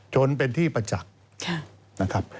จนเป็นที่ประจักษ์นะครับ